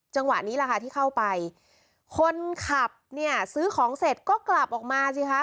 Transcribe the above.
จังหวะนี้แหละค่ะที่เข้าไปคนขับเนี่ยซื้อของเสร็จก็กลับออกมาสิคะ